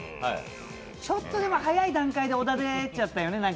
ちょっと早い段階で小田出ちゃったよね。